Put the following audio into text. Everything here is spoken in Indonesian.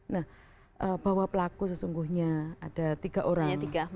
nah bahwa pelaku sesungguhnya ada tiga orang